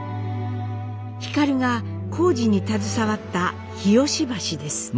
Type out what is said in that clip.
皓が工事に携わった日吉橋です。